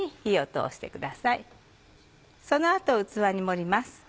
その後器に盛ります。